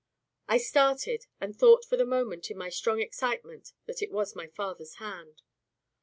I started, and thought for the moment, in my strong excitement, that it was my father's hand.